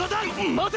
待て！